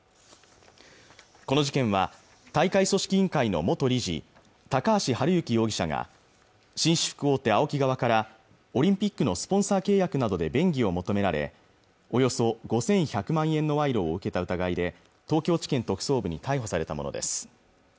この事件は大会組織委員会の元理事高橋治之容疑者が紳士服大手ＡＯＫＩ側からオリンピックのスポンサー契約などで便宜を求められおよそ５１００万円の賄賂を受けた疑いで東京地検特捜部に逮捕されたものです